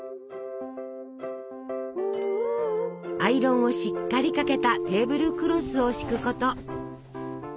アイロンをしっかりかけたテーブルクロスを敷くこと。